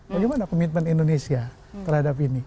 bagaimana komitmen indonesia terhadap ini